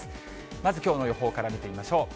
まずきょうの予報から見てみましょう。